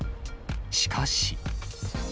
しかし。